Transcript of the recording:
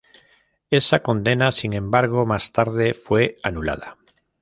Esa condena, sin embargo, más tarde fue anulada.